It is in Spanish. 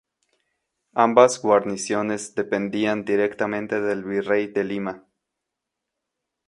Ambas guarniciones dependían directamente del Virrey de Lima.